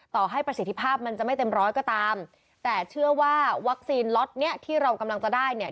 ต่อให้ประสิทธิภาพมันจะไม่เต็มร้อยก็ตามแต่เชื่อว่าวัคซีนล็อตเนี้ยที่เรากำลังจะได้เนี่ย